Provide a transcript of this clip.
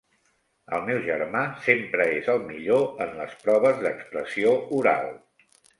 El meu germà sempre és el millor en les proves d'expressió oral.